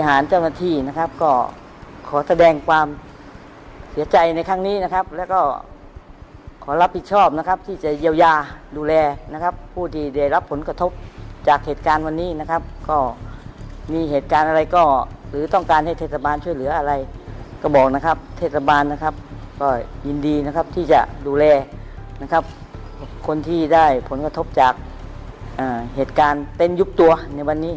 เจ้าหน้าที่นะครับก็ขอแสดงความเสียใจในครั้งนี้นะครับแล้วก็ขอรับผิดชอบนะครับที่จะเยียวยาดูแลนะครับผู้ที่ได้รับผลกระทบจากเหตุการณ์วันนี้นะครับก็มีเหตุการณ์อะไรก็หรือต้องการให้เทศบาลช่วยเหลืออะไรก็บอกนะครับเทศบาลนะครับก็ยินดีนะครับที่จะดูแลนะครับคนที่ได้ผลกระทบจากเหตุการณ์เต้นยุบตัวในวันนี้